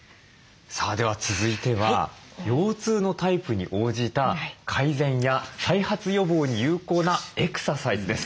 さあでは続いては腰痛のタイプに応じた改善や再発予防に有効なエクササイズです。